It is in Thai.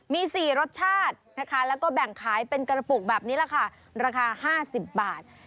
มี๔รสชาตินะคะแล้วก็แบ่งขายเป็นกระปุกแบบนี้แหละค่ะราคา๕๐บาท